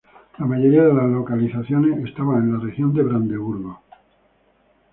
La mayoría de las localizaciones estaban en la región de Brandeburgo.